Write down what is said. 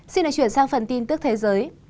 xin hãy chuyển sang phần tin tức thế giới